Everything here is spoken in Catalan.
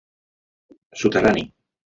Soterrani: